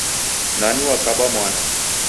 Nani wakabamwana?